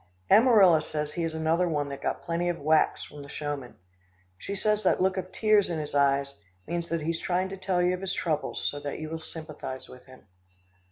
Amarilla says he is another one that got plenty of whacks from the showman. She says that look of tears in his eyes, means that he is trying to tell you of his troubles, so that you will sympathise with him.